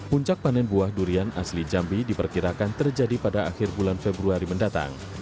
puncak panen buah durian asli jambi diperkirakan terjadi pada akhir bulan februari mendatang